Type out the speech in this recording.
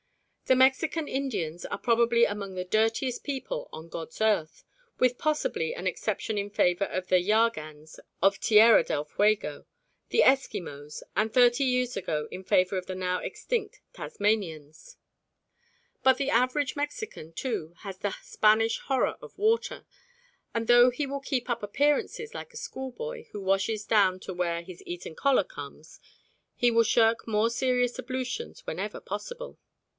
The Mexican Indians are probably among the dirtiest people on God's earth, with possibly an exception in favour of the Yahgans of Tierra del Fuego, the Eskimos, and thirty years ago in favour of the now extinct Tasmanians. But the average Mexican, too, has the Spanish horror of water, and though he will keep up appearances like a schoolboy who washes down to where his Eton collar comes, he will shirk more serious ablutions whenever possible.